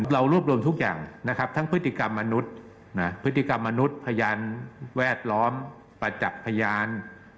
เรารวบรวมทุกอย่างทั้งพฤติกรรมมนุษย์พยานแวดล้อมประจักษ์พยาน